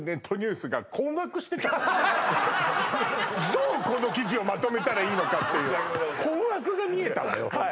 どうこの記事をまとめたらいいのかっていう申し訳ございません